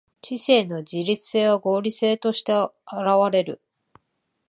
知性の自律性は合理性として現われる。